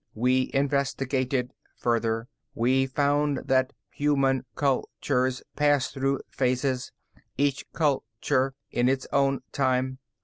"We investigated further. We found that human cultures pass through phases, each culture in its own time.